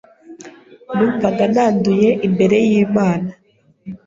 Numvaga nanduye imbere y’Imana,